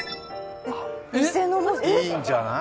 いいんじゃない？